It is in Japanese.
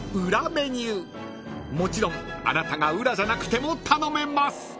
［もちろんあなたが宇良じゃなくても頼めます］